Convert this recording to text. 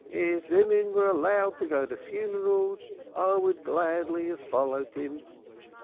"If women were allowed to go to funerals, I would gladly have, followed him.